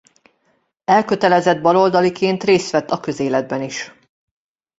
Elkötelezett baloldaliként részt vett a közéletben is.